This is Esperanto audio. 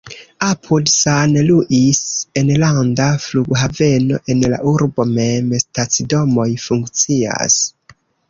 Apud San Luis enlanda flughaveno, en la urbo mem stacidomoj funkcias.